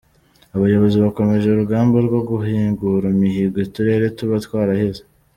Abayobozi bakomeje urugamba rwo guhigura imihigo uturere tuba twarahize.